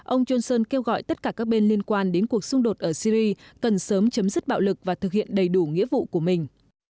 ông johnson kêu gọi tất cả các bên liên quan đến cuộc xung đột ở syri cần sớm chấm dứt bạo lực và thực hiện đầy đủ nghĩa vụ của mình